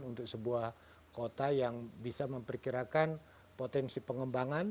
untuk sebuah kota yang bisa memperkirakan potensi pengembangan